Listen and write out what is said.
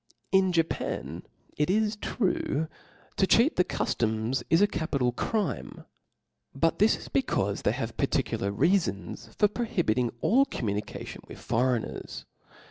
In Japan, it is true, to cheat the cuftoms is a ca pital crime , but this is becaufc they have particu lar reafons for prohibiting all communication with foreigners